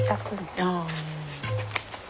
ああ。